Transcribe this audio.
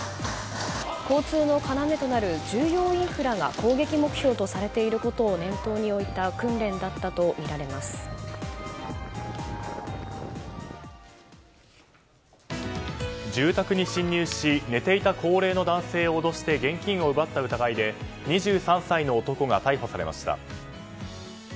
交通の要となる重要インフラが攻撃目標とされていることを念頭に置いた住宅に侵入し寝ていた高齢の男性を脅して現金を奪った疑いで２３歳の男が逮捕されました。